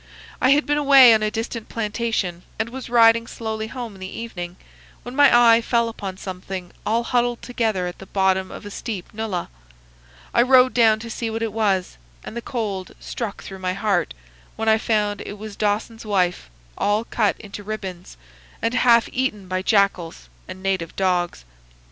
I had been away on a distant plantation, and was riding slowly home in the evening, when my eye fell upon something all huddled together at the bottom of a steep nullah. I rode down to see what it was, and the cold struck through my heart when I found it was Dawson's wife, all cut into ribbons, and half eaten by jackals and native dogs.